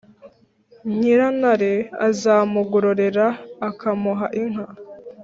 nyirantare azamugororera akamuha inka.